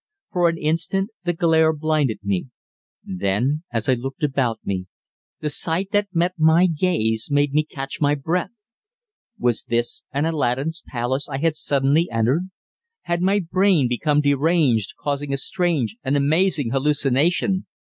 For an instant the glare blinded me. Then, as I looked about me, the sight that met my gaze made me catch my breath. Was this an Aladdin's Palace I had suddenly entered? Had my brain become deranged, causing a strange, an amazing hallucination?